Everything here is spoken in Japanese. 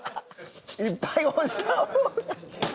いっぱい押した方が。